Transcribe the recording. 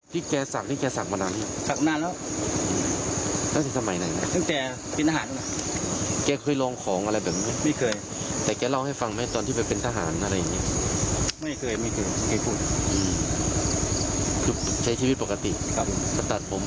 คือเราก็จะรู้อยู่แล้วว่ามันแรงถูกไหมใช่ครับ